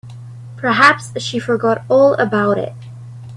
Perhaps she forgot all about it.